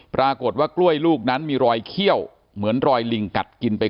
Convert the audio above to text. ปรากฏว่ากล้วยลูกนั้นมีรอยเขี้ยวเหมือนรอยลิงกัดกินไป